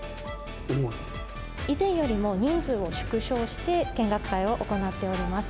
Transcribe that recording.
以前よりも人数を縮小して見学会を行っております。